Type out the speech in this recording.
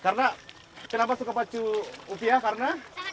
karena kenapa suka pacu upiah karena